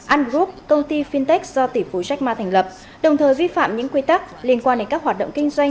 ungroup công ty fintech do tỷ phú jack ma thành lập đồng thời vi phạm những quy tắc liên quan đến các hoạt động kinh doanh